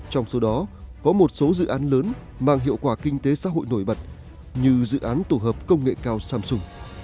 trong số đó có một số dự án lớn mang hiệu quả kinh tế xã hội nổi bật như dự án tổ hợp công nghệ cao samsung